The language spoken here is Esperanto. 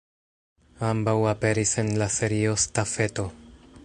Ambaŭ aperis en la Serio Stafeto.